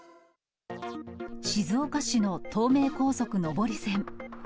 静岡市の東名高速上り線。